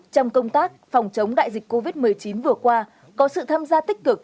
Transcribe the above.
trong công tác phòng chống đại dịch covid một mươi chín vừa qua có sự tham gia tích cực